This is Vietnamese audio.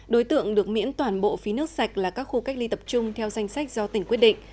đối tượng được miễn toàn bộ phí nước sạch là các khu cách ly tập trung theo danh sách do tỉnh quyết định